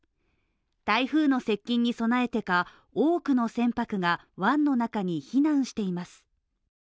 台風の接近に備えてか、多くの船舶が湾の中に避難しています。